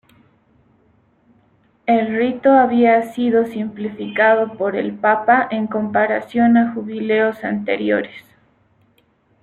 El rito había sido simplificado por el Papa, en comparación a jubileos anteriores.